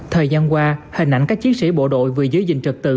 thời gian qua hình ảnh các chiến sĩ bộ đội vừa giới dịch trật tự